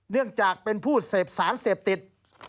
เนื่องจากเป็นผู้เสพสารเสพติด